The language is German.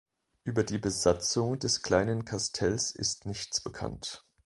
Über die Besatzung des kleinen Kastells ist nichts bekannt.